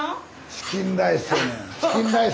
チキンライス。